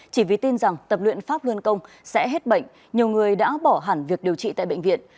chỉ vì tin rằng tập luyện pháp luân công sẽ hết bệnh nhiều người đã bỏ hẳn việc điều trị tại bệnh viện